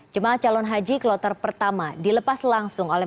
jemaah calon haji kloter pertama dilepas langsung oleh